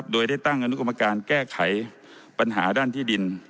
โดยได้ตั้งอนุกรรมการแก้ไขปัญหาด้านที่ดิน